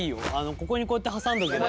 ここにこうやって挟んでおけば。